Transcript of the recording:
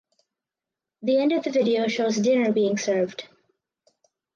The end of the video shows dinner being served.